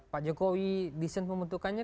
pak jokowi desain pembentukannya